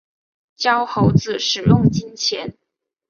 教猴子使用金钱